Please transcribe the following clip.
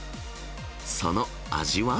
その味は？